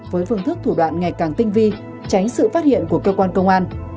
với phương thức thủ đoạn ngày càng tinh vi tránh sự phát hiện của cơ quan công an